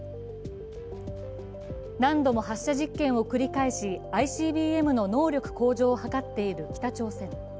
何度も発射実験を繰り返しＩＣＢＭの能力向上を図っている北朝鮮。